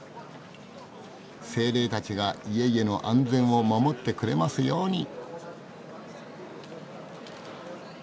精霊たちが家々の安全を守ってくれますように。